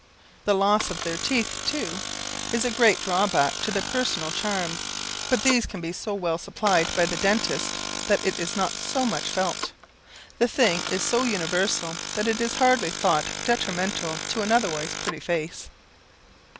The loss of their teeth, too, is a great drawback to their personal charms, but these can be so well supplied by the dentist that it is not so much felt; the thing is so universal that it is hardly thought detrimental to an otherwise pretty face.